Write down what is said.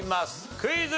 クイズ。